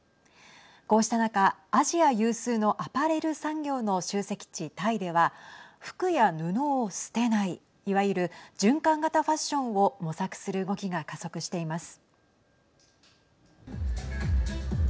こうした中、アジア有数のアパレル産業の集積地、タイでは服や布を捨てないいわゆる循環型ファッションを模索する動きが加速しています。